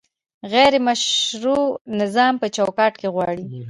غیر مشروع نظام په چوکاټ کې غواړي؟